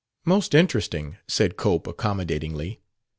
"Most interesting," said Cope accommodatingly.